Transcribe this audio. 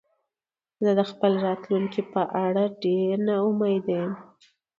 زه د خپل راتلونکې په اړه ډېره نا امیده یم